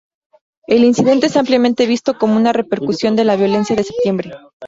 El incidente es ampliamente visto como una repercusión de la violencia de septiembre.